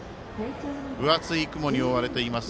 分厚い雲に覆われています